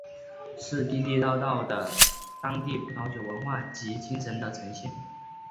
是地地道道的当地葡萄酒文化及精神的呈现。